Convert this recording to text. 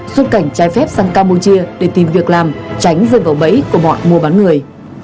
xuất cảnh trái phép sang campuchia để tìm việc làm tránh rơi vào bẫy của bọn mua bán người